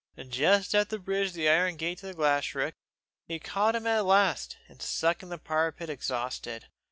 Just at the bridge to the iron gate to Glashruach, he caught him at last, and sunk on the parapet exhausted.